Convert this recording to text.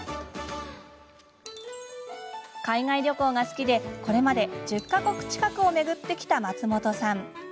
海外旅行が好きで、これまで１０か国近くを巡ってきた松本さん。